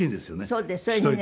そうです。